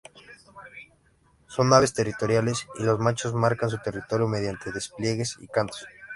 Son aves territoriales, y los machos marcan su territorio mediante despliegues y cantos.